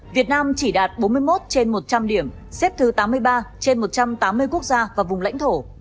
việt nam chỉ đạt bốn mươi một trên một trăm linh điểm xếp thứ tám mươi ba trên một trăm tám mươi quốc gia và vùng lãnh thổ